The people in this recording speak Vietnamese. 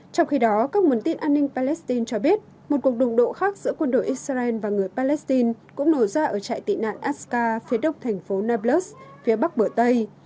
trong khi đó các nguồn tin an ninh palestine cho biết một cuộc đụng độ khác giữa quân đội israel và người palestine cũng nổ ra ở trại tị nạn aska phía đông thành phố nablus phía bắc bờ tây